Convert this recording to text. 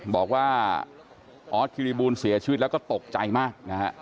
บอกว่าออสคิริบูลเสียชีวิตแล้วก็ตกใจมากนะฮะ